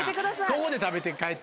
ここで食べて帰って。